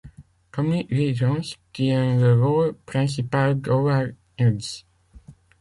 Tommy Lee Jones tient le rôle principal d'Howard Hughes.